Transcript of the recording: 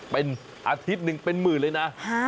เป็นอาทิตย์หนึ่งเป็นหมื่นเลยนะ